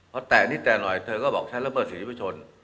พอแตะนิดแตะหน่อยเธอก็บอกฉันละเมิดสิทธิประชน